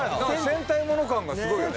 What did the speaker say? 戦隊もの感がすごいよね。